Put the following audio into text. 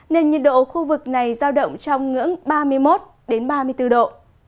nên nhiệt độ khu vực này dao động trong ngưỡng ba mươi một đến ba mươi bốn độ